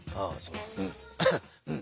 うん。